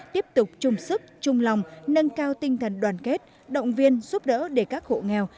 tiếp tục chung sức chung lòng nâng cao tinh thần đoàn kết động viên giúp đỡ để các hộ nghèo